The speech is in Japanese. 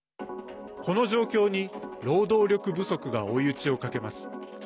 この状況に労働力不足が追い打ちをかけます。